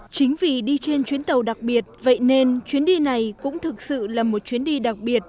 chính vì đi trên chuyến tàu đặc biệt vậy nên chuyến đi này cũng thực sự là một chuyến đi đặc biệt